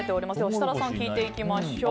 設楽さん、聞いていきましょう。